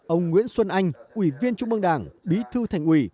ông nguyễn xuân anh ủy viên trung mương đảng bí thư thành ủy